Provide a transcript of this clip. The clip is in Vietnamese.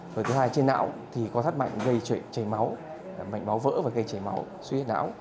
rồi thứ hai trên não thì co thắt mạch gây chảy máu mạch máu vỡ và gây chảy máu suy hết não